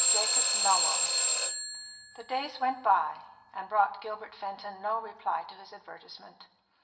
JACOB NOWELL. The days went by, and brought Gilbert Fenton no reply to his advertisement.